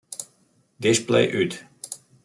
Display út.